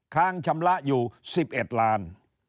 ค้างชำระอยู่๑๑ล้าน